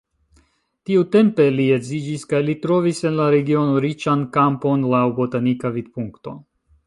Tiutempe li edziĝis kaj li trovis en la regiono riĉan kampon laŭ botanika vidpunkto.